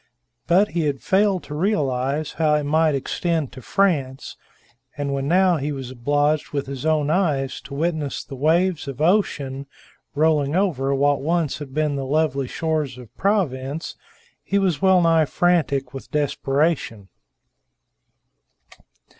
But he had failed to realize how it might extend to France; and when now he was obliged with his own eyes to witness the waves of ocean rolling over what once had been the lovely shores of Provence, he was well nigh frantic with desperation.